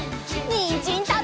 にんじんたべるよ！